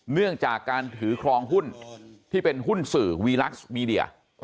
เนื่องจากการถือครองหุ้นที่เป็นหุ้นสื่อวีลักษณ์มีเดีย